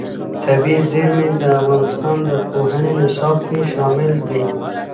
طبیعي زیرمې د افغانستان د پوهنې نصاب کې شامل دي.